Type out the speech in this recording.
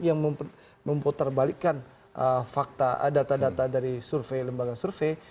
yang memputarbalikkan data data dari survei lembaga survei